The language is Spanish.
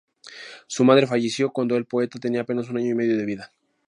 Su madre falleció cuando el poeta tenía apenas un año y medio de vida.